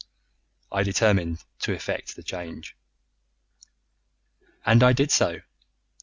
I determined to effect the change. "And I did so.